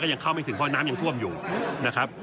ยังเข้าไม่ถึงเพราะน้ำยังท่วมอยู่นะครับ